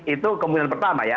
itu kemungkinan pertama ya